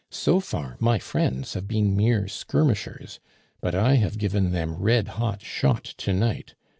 "So far, my friends have been mere skirmishers, but I have given them red hot shot to night.